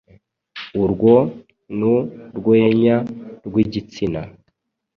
urwo nu rwenya rw’igitsina